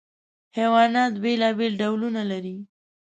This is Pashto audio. حیوانات بېلابېل ډولونه لري.